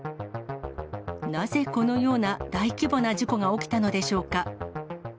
なぜこのような大規模な事故が起きたのでしょうか。